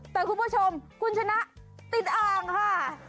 แต่คุณผู้ชมคุณชนะติดอ่างค่ะ